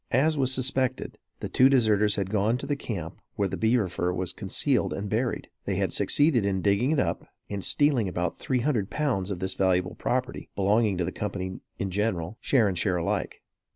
As was suspected, the two deserters had gone to the camp where the beaver fur was concealed and buried. They had succeeded in digging it up and stealing about three hundred pounds of this valuable property, belonging to the company in general, share and share alike.